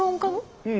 うん。